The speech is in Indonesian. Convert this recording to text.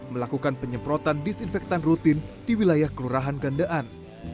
melakukan penyemprotan disinfektan rutin di wilayah kelurahan gandean